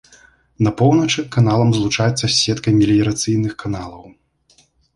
На поўначы каналам злучаецца з сеткай меліярацыйных каналаў.